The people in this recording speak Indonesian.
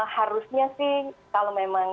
harusnya sih kalau memang